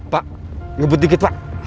pak ngebut dikit pak